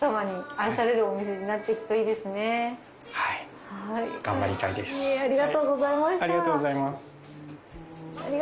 ありがとうございます。